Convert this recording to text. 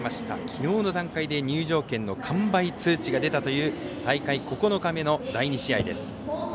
昨日の段階で入場券の完売通知が出たという大会９日目の第２試合です。